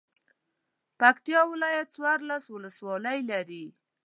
پکتیا ولایت څوارلس ولسوالۍ لري.